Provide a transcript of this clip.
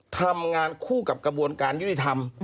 ทำงานคู่กับกระบวนการยุติธรรม